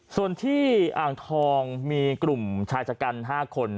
ส่วนที่อ่างทองมีกลุ่มชายชะกัน๕คน